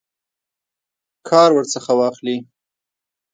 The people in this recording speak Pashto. کار ورڅخه واخلي.